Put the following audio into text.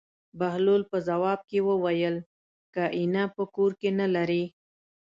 بهلول په ځواب کې وویل: که اېنه په کور کې نه لرې.